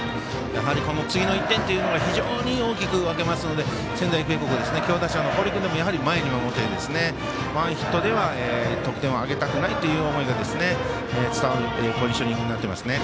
次の１点というのが非常に大きく分けますので仙台育英高校、強打者の堀君でもやはり前で守ってワンヒットでは得点をあげたくないという思いが伝わるポジショニングになっていますね。